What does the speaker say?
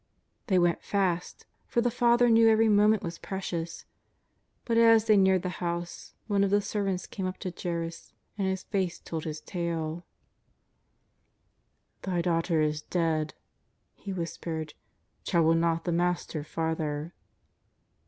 They went fast, for the father knew every moment was precious. But as they neared the house one of the servants came up to Jairus and his face told his tale: 230 JESUS OF NAZARETH. " Thj daughter is dead," he whispered, " trouble not the Master farther."